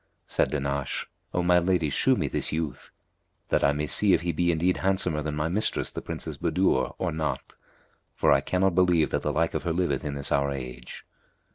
Said Dahnash, "O my lady, shew me this youth, that I may see if he be indeed handsomer than my mistress, the Princess Budur, or not; for I cannot believe that the like of her liveth in this our age."